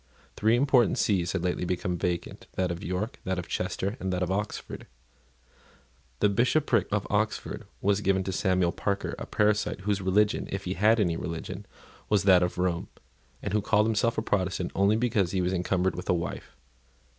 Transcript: Three important sees had lately become vacant, that of York, that of Chester, and that of Oxford. The Bishopric of Oxford was given to Samuel Parker, a parasite, whose religion, if he had any religion, was that of Rome, and who called himself a Protestant only because he was encumbered with a wife.